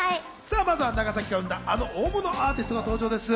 さぁまずは長崎が生んだあの大物アーティストが登場です。